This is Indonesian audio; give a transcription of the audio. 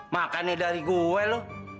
makannya dari gue lo